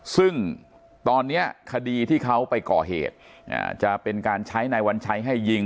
ซึ่งตอนนี้คดีที่เขาไปก่อเหตุจะเป็นการใช้นายวัญชัยให้ยิง